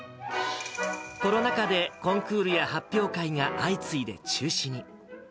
コロナ禍でコンクールや発表会が相次いで中止に。